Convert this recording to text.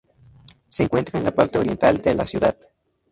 Se encuentra en la parte oriental de la ciudad.